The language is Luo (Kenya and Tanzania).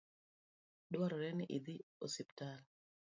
Dwarore ni idhi osiptal